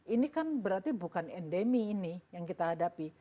ini kan berarti bukan endemi ini yang kita hadapi